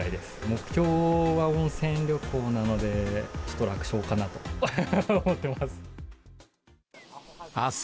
目標は温泉旅行なので、ちょっと楽勝かなと思ってます。